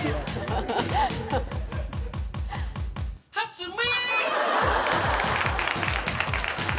「蓮見！」